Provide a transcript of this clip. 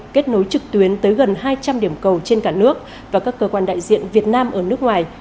kết nối trực tuyến tới gần hai trăm linh điểm cầu trên cả nước và các cơ quan đại diện việt nam ở nước ngoài